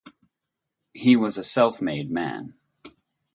He was a self-made man.